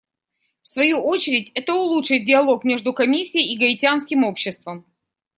В свою очередь, это улучшит диалог между Комиссией и гаитянским обществом.